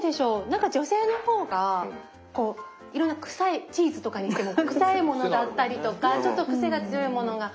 何か女性の方がこういろんな臭いチーズとかにしても臭いものだったりとかちょっと癖が強いものが。